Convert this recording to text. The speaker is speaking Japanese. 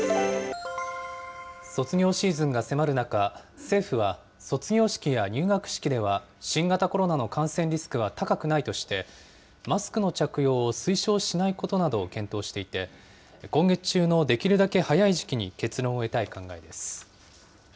卒業シーズンが迫る中、政府は卒業式や入学式では新型コロナの感染リスクは高くないとして、マスクの着用を推奨しないことなどを検討していて、今月中のできるだけ早い時期に結論を得たい考えです。